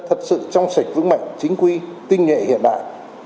thật sự trong sạch vững mạnh chính quy tinh nghệ hiện đại